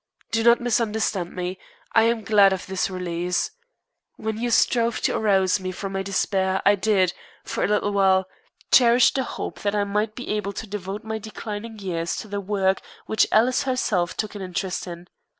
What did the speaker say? Do not misunderstand me. I am glad of this release. When you strove to arouse me from my despair I did, for a little while, cherish the hope that I might be able to devote my declining years to the work which Alice herself took an interest in.